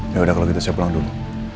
yaudah kalau gitu saya pulang dulu